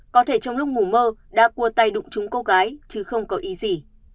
có thể trong lúc ngủ mờ đã cua tay đụng chúng cô gái chứ không có ý gì